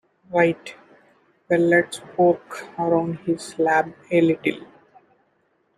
Right, well let's poke around his lab a little.